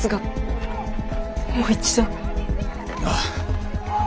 ああ。